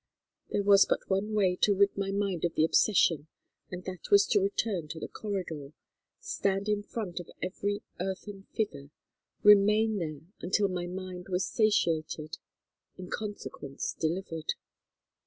There was but one way to rid my mind of the obsession, and that was to return to the corridor, stand in front of every earthen figure, remain there until my mind was satiated, in consequence delivered.